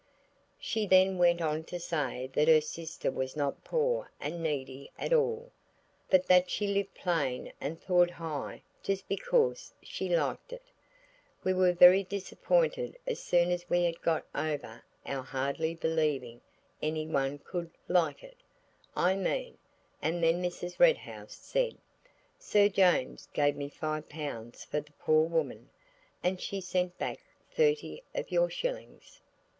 She then went on to say that her sister was not poor and needy at all, but that she lived plain and thought high just because she liked it! We were very disappointed as soon as we had got over our hardly believing any one could–like it, I mean–and then Mrs. Red House said– "Sir James gave me five pounds for the poor woman, and she sent back thirty of your shillings.